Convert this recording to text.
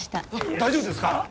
大丈夫ですから。